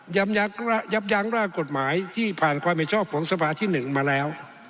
ยับยั้งร่างกฎหมายที่ผ่านความเห็นชอบของสภาที่๑มาแล้ว